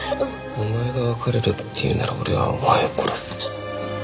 お前が別れるって言うなら俺はお前を殺す。